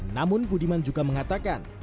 namun budiman juga mengatakan